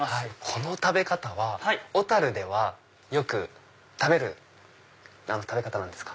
この食べ方は小でよく食べる食べ方なんですか？